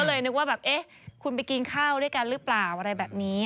เลยนึกว่าแบบเอ๊ะคุณไปกินข้าวด้วยกันหรือเปล่าอะไรแบบนี้